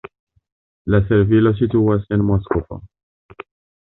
La servilo situas en Moskvo.